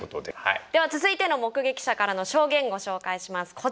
では続いての目撃者からの証言ご紹介します。